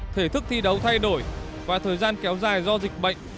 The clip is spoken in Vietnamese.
thể thức thi đấu thay đổi và thời gian kéo dài do dịch bệnh